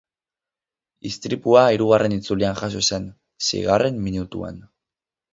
Istripua hirugarren itzulian jazo zen, seigarren minutuan.